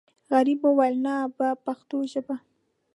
غریب وویل نه په پښتو ژبه.